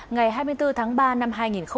ngày hai mươi bốn tháng ba năm hai nghìn hai mươi